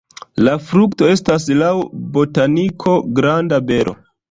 La frukto estas laŭ botaniko granda bero.